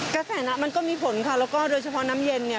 กระแสน้ำมันก็มีผลค่ะแล้วก็โดยเฉพาะน้ำเย็นเนี่ย